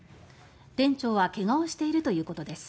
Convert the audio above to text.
店長は怪我をしているということです。